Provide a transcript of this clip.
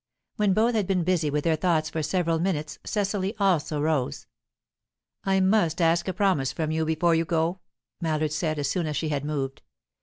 When both had been busy with their thoughts for several minutes, Cecily also rose. "I must ask a promise from you before you go," Mallard said, as soon as she had moved.